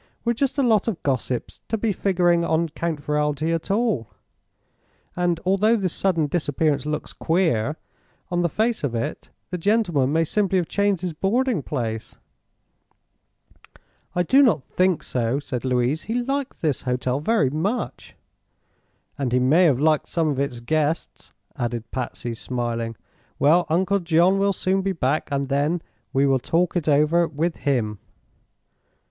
"We're just a lot of gossips to be figuring on Count Ferralti at all. And although this sudden disappearance looks queer, on the face of it, the gentleman may simply have changed his boarding place." "I do not think so," said Louise. "He liked this hotel very much." "And he may have liked some of its guests," added Patsy, smiling. "Well, Uncle John will soon be back, and then we will talk it over with him."